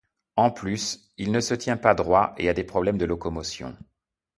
En plus, il ne se tient pas droit et a des problèmes de locomotion.